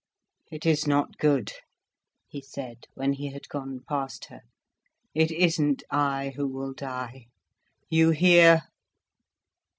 "It is not good," he said, when he had gone past her. "It isn't I who will die. You hear?"